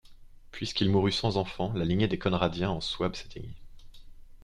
Puisqu'il mourut sans enfants, la lignée des Conradiens en Souabe s'éteignit.